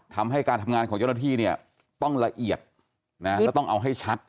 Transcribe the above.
ทำให้การทำงานของเจ้าหน้าที่เนี่ยต้องละเอียดนะแล้วต้องเอาให้ชัด